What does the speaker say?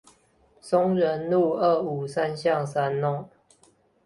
松仁路二五三巷三弄